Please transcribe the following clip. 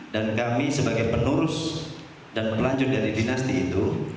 dan kami sebagai penurus dan pelanjut dari dinasti itu